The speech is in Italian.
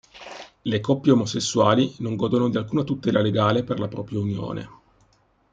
Le coppie omosessuali non godono di alcuna tutela legale per la propria unione.